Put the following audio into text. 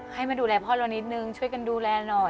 ให้มาดูแลพ่อเรานิดนึงช่วยกันดูแลหน่อย